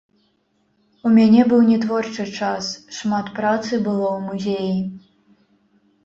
У мяне быў не творчы час, шмат працы было ў музеі.